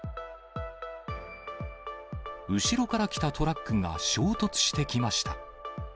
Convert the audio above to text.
後ろから来たトラックが衝突してきました。